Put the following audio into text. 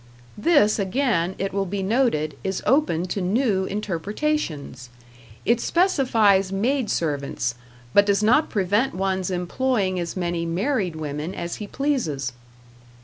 This, again, it will be noted, is open to new interpretations. It specifies maidservants, but does not prevent one's employing as many married women as he pleases.